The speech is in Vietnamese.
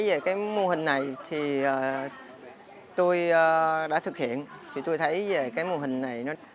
về mô hình này tôi đã thực hiện tôi thấy về mô hình này